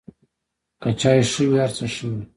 که چای ښه وي، هر څه ښه وي.